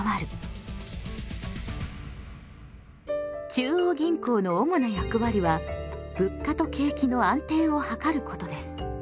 中央銀行の主な役割は物価と景気の安定をはかることです。